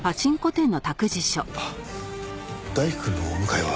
あっ大樹くんのお迎えは？